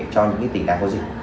cho những tỉnh đã có dịch